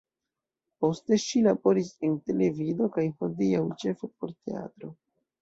Poste, ŝi laboris en televido kaj, hodiaŭ, ĉefe por teatro.